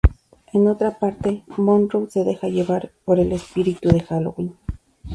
En otra parte, Monroe se deja llevar por el espíritu de Halloween.